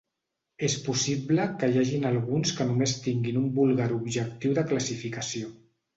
És possible que hi hagin alguns que només tinguin un vulgar objectiu de classificació.